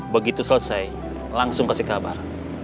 begitu selesai langsung kasih kabar